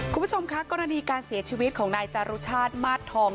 คุณผู้ชมคะกรณีการเสียชีวิตของนายจารุชาติมาสทอง